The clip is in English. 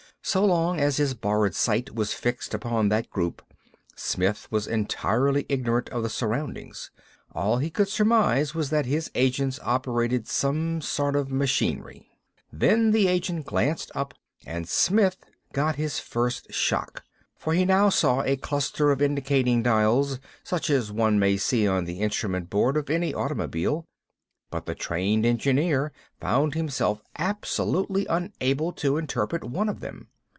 So long as his borrowed sight was fixed upon that group Smith was entirely ignorant of the surroundings. All he could surmise was that his agents operated some sort of machinery. Then the agent glanced up; and Smith got his first shock. For he now saw a cluster of indicating dials, such as one may see on the instrument board of any automobile; but the trained engineer found himself absolutely unable to interpret one of them.